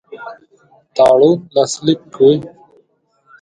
تړون لاسلیک کړي.